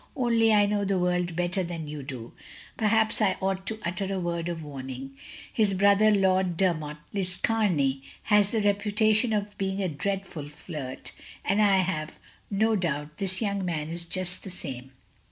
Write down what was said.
Only I know the world better than you do, perhaps I ought to utter a word of warning. His brother. Lord Dermot Liscamey, has the reputation of being a dreadful flirt, and I have no doubt this young man is just the same.